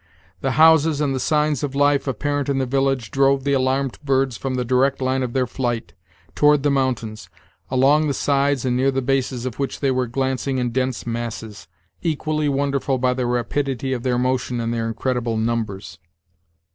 The houses and the signs of life apparent in the village drove the alarmed birds from the direct line of their flight, toward the mountains, along the sides and near the bases of which they were glancing in dense masses, equally wonderful by the rapidity of their motion and their incredible numbers.